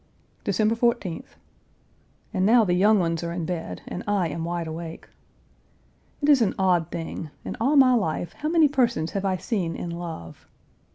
December 14th. And now the young ones are in bed and I am wide awake. It is an odd thing; in all my life how many persons have I seen in love?